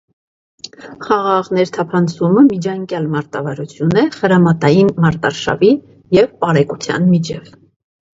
Խաղաղ ներթափանցումը միջանկյալ մարտավարություն է խրամատային մարտարշավի և պարեկության միջև։